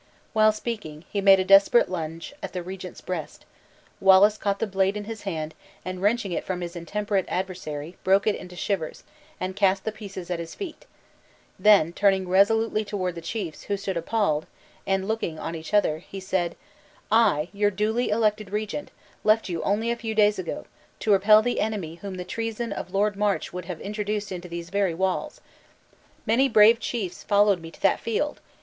While speaking, he made a desperate lunge at the regent's breast; Wallace caught the blade in his hand, and wrenching it from his intemperate adversary, broke it into shivers, and cast the pieces at his feet; then, turning resolutely toward the chiefs, who stood appalled, and looking on each other, he said, "I, your duly elected regent, left you only a few days ago, to repel the enemy whom the treason of Lord March would have introduced into these very walls. Many brave chiefs followed me to that field!